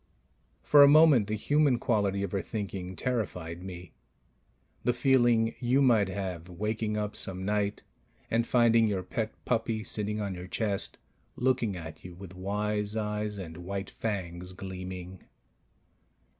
For a moment the human quality of her thinking terrified me ... the feeling you might have waking up some night and finding your pet puppy sitting on your chest, looking at you with wise eyes and white fangs gleaming